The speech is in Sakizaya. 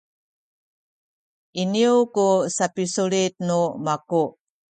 iniyu ku sapisulit nu maku